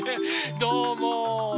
どうも。